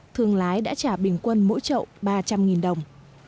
thương lái đã trả bình quân mỗi trậu ba trăm linh đồng